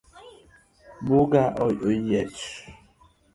Buga oyiech.